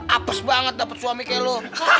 apas banget dapet suami kayak lu